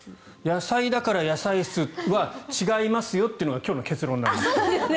野菜だから野菜室は違いますよというのが今日の結論なんです。